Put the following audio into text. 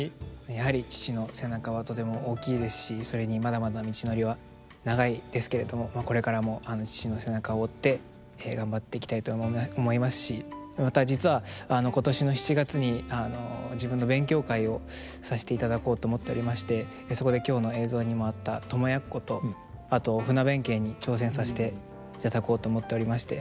やはり父の背中はとても大きいですしそれにまだまだ道のりは長いですけれどもこれからも父の背中を追って頑張っていきたいと思いますしまた実は今年の７月に自分の勉強会をさせていただこうと思っておりましてそこで今日の映像にもあった「供奴」とあと「船弁慶」に挑戦させていただこうと思っておりまして。